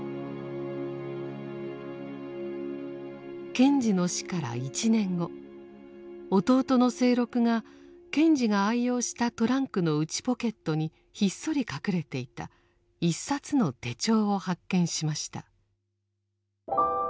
賢治の死から１年後弟の清六が賢治が愛用したトランクの内ポケットにひっそり隠れていた一冊の手帳を発見しました。